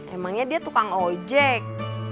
emangnya dia tukang ojek